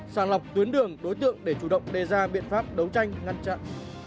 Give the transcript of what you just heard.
sàng lọc tuyến đường đối tượng để chủ động đề ra biện pháp đấu tranh ngăn chặn